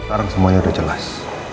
sekarang semuanya udah jelas